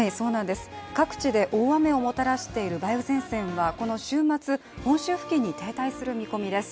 各地で大雨をもたらしている梅雨前線はこの週末、本州付近に停滞する見込みです。